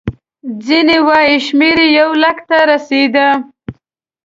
ځینې وایي شمېر یې یو لک ته رسېده.